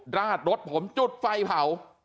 ดระดรดผมจุดไฟเผ่า